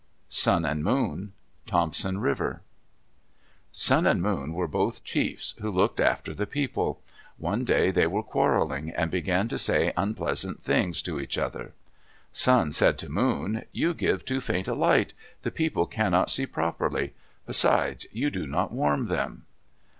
SUN AND MOON Thompson River Sun and Moon were both chiefs who looked after the people. One day they were quarreling, and began to say unpleasant things to each other. Sun said to Moon, "You give too faint a light. The people cannot see properly. Besides you do not warm them."